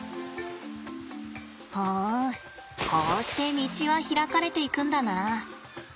ほうこうして道は開かれていくんだな。